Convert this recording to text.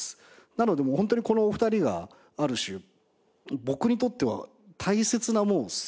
なのでもうホントにこのお二人がある種僕にとっては大切な戦友と申しますか。